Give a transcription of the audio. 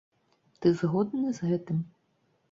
Ты згодны з гэтым?